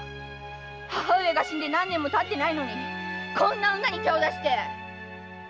母上が死んで何年も経ってないのにこんな女に手を出して！